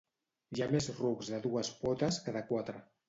Hi ha més rucs de dues potes que de quatre